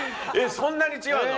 そんなに違うの？